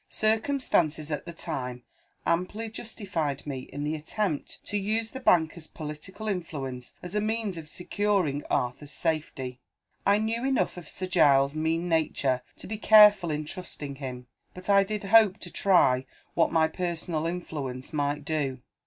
"Circumstances, at the time, amply justified me in the attempt to use the banker's political influence as a means of securing Arthur's safety. I knew enough of Sir Giles's mean nature to be careful in trusting him; but I did hope to try what my personal influence might do.